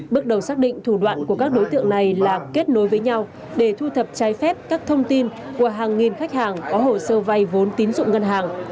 bước đầu xác định thủ đoạn của các đối tượng này là kết nối với nhau để thu thập trái phép các thông tin của hàng nghìn khách hàng có hồ sơ vay vốn tín dụng ngân hàng